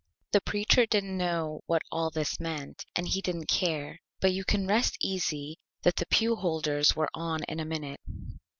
The Preacher didn't know what all This meant, and he didn't care, but you can rest easy that the Pew Holders were On in a minute.